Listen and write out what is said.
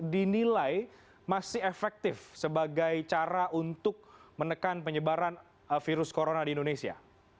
dinilai masih efektif sebagai cara untuk menekan penyebaran virus corona di indonesia